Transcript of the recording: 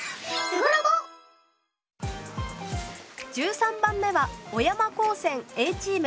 １３番目は小山高専Ａチーム。